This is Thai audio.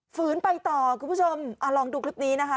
ฝืนไปต่อคุณผู้ชมลองดูคลิปนี้นะคะ